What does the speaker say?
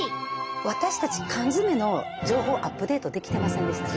私たち缶詰の情報をアップデートできてませんでしたね。